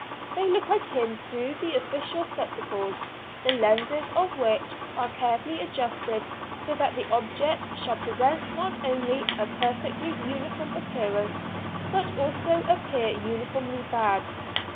They look at him through the official spectacles, the lenses of which are carefully adjusted so that the object shall present not only a perfectly uniform appearance but also appear uniformly bad.